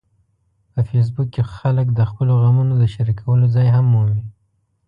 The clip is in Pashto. په فېسبوک کې خلک د خپلو غمونو د شریکولو ځای هم مومي